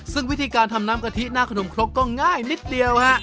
ซึ่งวิธีการทำน้ำกะทิหน้าขนมครกก็ง่ายนิดเดียวฮะ